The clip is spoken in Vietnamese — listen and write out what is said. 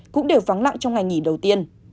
cũng đều vắng lặng trong ngày nghỉ đầu tiên